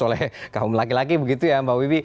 oleh kaum laki laki begitu ya mbak wiwi